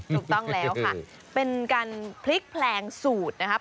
ถูกต้องแล้วค่ะเป็นการพลิกแพลงสูตรนะครับ